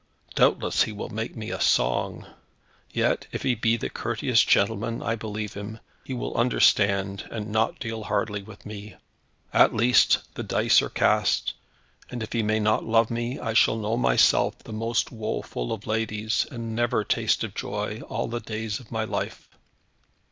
Doubtless he will make me a song! Yet if he be the courteous gentleman I believe him, he will understand, and not deal hardly with me. At least the dice are cast, and if he may not love me, I shall know myself the most woeful of ladies, and never taste of joy all the days of my life."